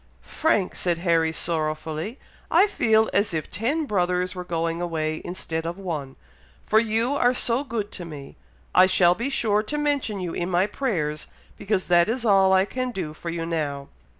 "Frank!" said Harry, sorrowfully, "I feel as if ten brothers were going away instead of one, for you are so good to me! I shall be sure to mention you in my prayers, because that is all I can do for you now."